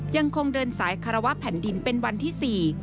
ยังคงเดินสายคารวะแผ่นดินเป็นวันที่๔